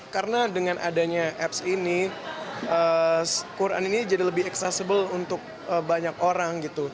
karena dengan adanya apps ini quran ini jadi lebih accessible untuk banyak orang